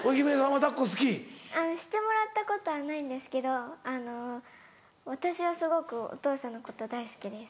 してもらったことはないんですけど私はすごくお父さんのこと大好きです。